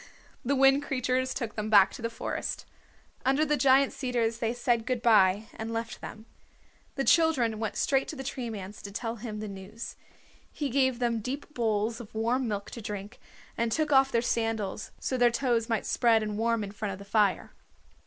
The Wind Creatures took them back to the forest. Under the giant cedars they said good by and left them. The children went straight to the Tree Man's to tell him the news. He gave them deep bowls of warm milk to drink, and took off their sandals so that their toes might spread and warm in front of the fire.